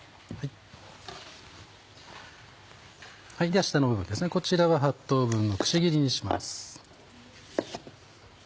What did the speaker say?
では下の部分ですねこちらは８等分のくし切りにします。